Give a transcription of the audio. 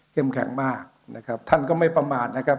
เข้มแข็งมากท่านก็ไม่ประมาทนะครับ